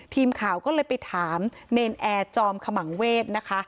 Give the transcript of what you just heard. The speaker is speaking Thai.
ทีมข่าวก็เลยไปถามเนรนแอร์จอมขมังเวศนะคะ